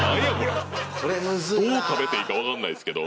どう食べていいかわかんないですけど。